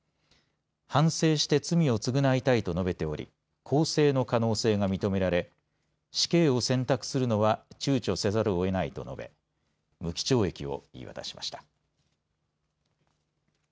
反省して罪を償いたいと述べており更生の可能性が認められ死刑を選択するのはちゅうちょせざるをえないと述べ無期懲役を言い渡しました。